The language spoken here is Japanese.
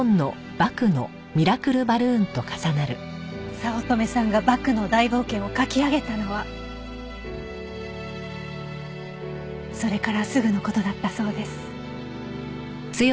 早乙女さんが『バクのだいぼうけん』を描き上げたのはそれからすぐの事だったそうです。